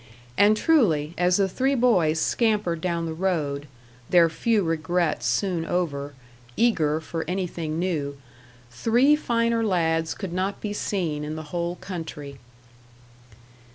And truly, as the three boys scampered down the road their few regrets soon over, eager for anything new three finer lads could not be seen in the whole country.